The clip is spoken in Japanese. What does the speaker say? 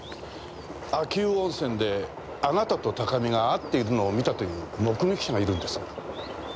秋保温泉であなたと高見が会っているのを見たという目撃者がいるんです。